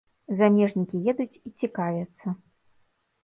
Замежнікі едуць і цікавяцца.